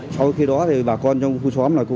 sau khi đó bà con trong khu xóm